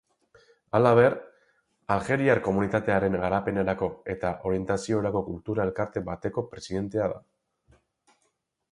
Halaber, aljeriar komunitatearen garapenerako eta orientaziorako kultura elkarte bateko presidentea da.